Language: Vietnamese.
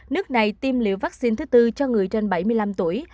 nước này tiêm liều vắc xin thứ bốn cho người trên bảy mươi năm tuổi